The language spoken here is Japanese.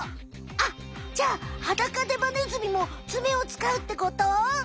あっじゃあハダカデバネズミもツメをつかうってこと？